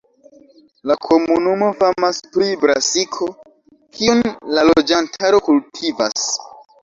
La komunumo famas pri brasiko, kiun la loĝantaro kultivas.